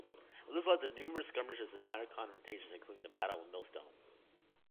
This led to numerous skirmishes and minor confrontations including the Battle of Millstone.